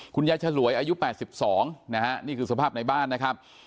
ฉลวยอายุ๘๒นะฮะนี่คือสภาพในบ้านนะครับ